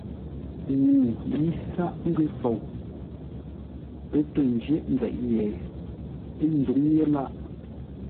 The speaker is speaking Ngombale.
Ŋuu lə̌i sâʼ ngwě fou, pə́ tô ńjə̂ghʼ nzeʼ ye, ə́ nzǔŋ yé lâʼ.